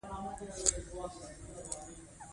متن څېړونکی باید دیانت داره وي.